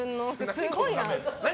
すごいな。何？